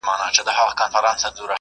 خوشحالي د روح په سکون کي ده.